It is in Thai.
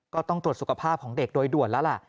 ก็ต้องตรวจสุขภาพของเด็กโดยด่วนแล้วล่ะ